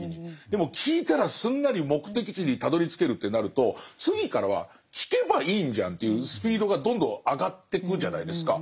でも聞いたらすんなり目的地にたどりつけるってなると次からは聞けばいいんじゃんっていうスピードがどんどん上がってくじゃないですか。